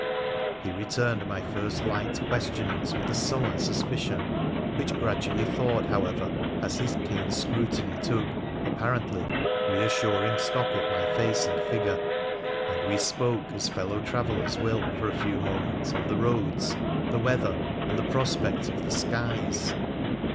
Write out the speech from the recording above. He returned my first light questionings with a sullen sus picion, which gradually thawed, however, as his keen scrutiny took, apparently, reassuring stock of my face and figure, and we spoke, as fellow travellers will, for a few moments on the roads, the weather, and the prospect of the skies.